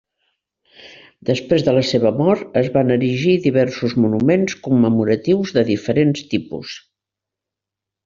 Després de la seva mort es van erigir diversos monuments commemoratius de diferents tipus.